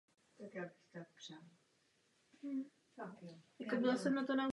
Dává přednost blízkosti vody.